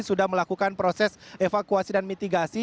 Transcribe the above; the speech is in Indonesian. sudah melakukan proses evakuasi dan mitigasi